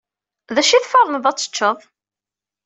D acu i tferneḍ ad teččeḍ?